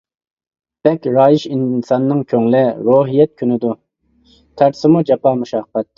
بەك رايىش ئىنساننىڭ كۆڭلى، روھىيەت، كۆنىدۇ، تارتسىمۇ جاپا-مۇشەققەت.